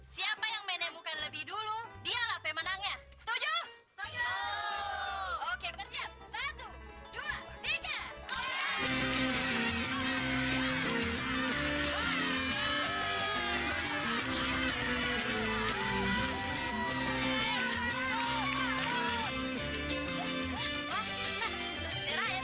sampai jumpa di video selanjutnya